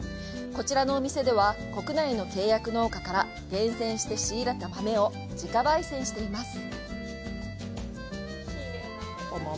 こちらのお店では国内の契約農家から厳選して仕入れた豆を自家ばい煎しています。